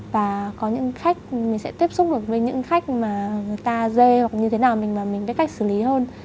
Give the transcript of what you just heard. và có những khách mình sẽ tiếp xúc được với những khách mà người ta dê hoặc như thế nào mình và mình biết cách xử lý hơn